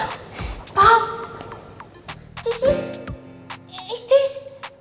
lepas nama yesus